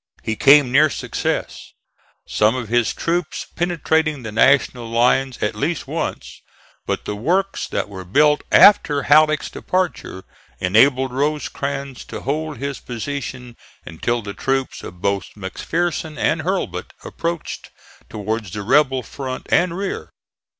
He came near success, some of his troops penetrating the National lines at least once, but the works that were built after Halleck's departure enabled Rosecrans to hold his position until the troops of both McPherson and Hurlbut approached towards the rebel front and rear.